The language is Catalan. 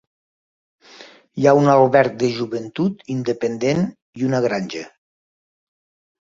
Hi ha un alberg de joventut independent i una granja.